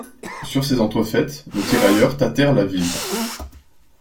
Sur ces entrefaites, nos tirailleurs tâtèrent la ville.